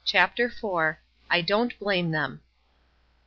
CHAPTER IV. "I DON'T BLAME THEM."